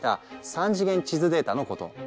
３次元地図データのこと。